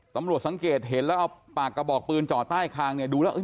สังเกตเห็นแล้วเอาปากกระบอกปืนจ่อใต้คางเนี่ยดูแล้ว